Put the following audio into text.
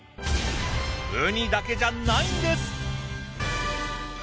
ウニだけじゃないんです！